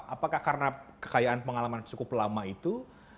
apakah karena kekayaan pengalaman cukup lama itu